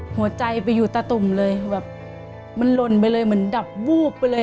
หัวใจไปอยู่ตะตุ่มเลยแบบมันหล่นไปเลยเหมือนดับวูบไปเลย